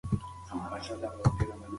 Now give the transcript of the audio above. اخلاق ښوول د ماشومانو د پلار یوه مسؤلیت ده.